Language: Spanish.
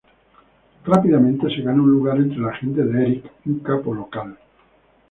Rápidamente se gana un lugar entre la gente de Erik, un capo local.